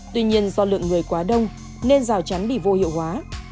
tuy nhiên do lượng người quá đông nên rào chắn bị vô hiệu hóa